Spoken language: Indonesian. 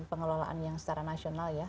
pengelolaan yang secara nasional ya